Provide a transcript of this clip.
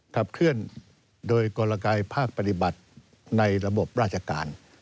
ขับเคลื่อนโดยกลกายภาคปฏิบัติในระบบราชการ